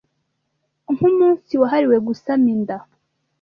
nk'umunsi wahariwe gusama inda